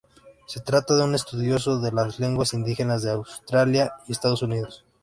Se trata de un estudioso de las lenguas indígenas de Australia y Estados Unidos.